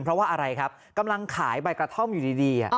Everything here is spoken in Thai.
เพราะว่าอะไรครับกำลังขายใบกระท่อมอยู่ดี